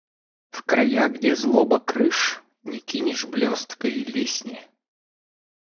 В края, где злоба крыш, не кинешь блесткой лесни.